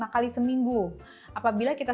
kali seminggu apabila kita